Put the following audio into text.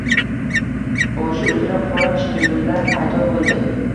Boshi uzra qora chinnigullar paydo bo’ldi